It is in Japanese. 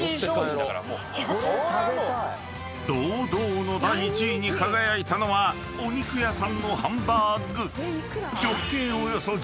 ［堂々の第１位に輝いたのはお肉屋さんのハンバーグ］